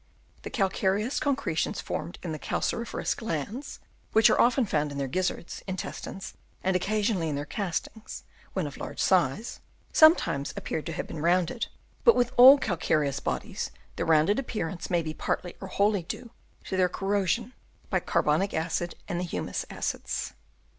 The calcareous concre tions formed in the calciferous glands, which are often found in their gizzards, intestines, and occasionally in their castings, when of large size, sometimes appeared to have been rounded ; but with all calcareous bodies the rounded appearance may be partly or wholly due to their corrosion by carbonic acid and the humus acids.